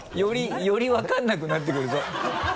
より分からなくなってくるぞ。